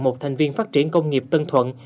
một thành viên phát triển công nghiệp tân thuận